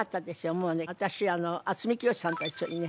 もうね私渥美清さんと一緒にね